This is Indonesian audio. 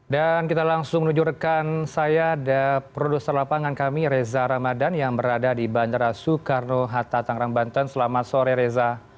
dan kita langsung menunjukkan saya dan produser lapangan kami reza ramadan yang berada di bandara soekarno hatta tangerang banten selamat sore reza